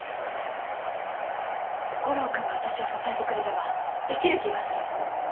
悟郎君が私を支えてくれればできる気がする。